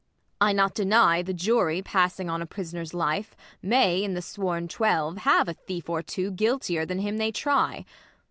I not deny The juiy passing on a prisoner's life, May, in the sworn twelve, have a thief or two Guiltier than him they try.